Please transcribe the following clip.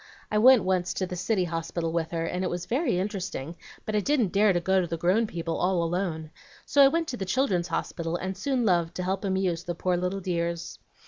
I went once to the City Hospital with her, and it was very interesting, but I didn't dare to go to the grown people all alone, so I went to the Children's Hospital, and soon loved to help amuse the poor little dears.